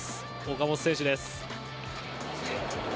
岡本選手です。